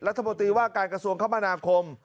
รัฐมนตรีว่าการกระทรวงคมนาคม